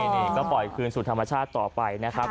นี่ก็ปล่อยคืนสู่ธรรมชาติต่อไปนะครับ